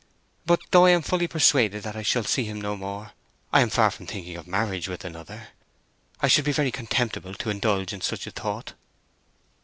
But though I am fully persuaded that I shall see him no more, I am far from thinking of marriage with another. I should be very contemptible to indulge in such a thought."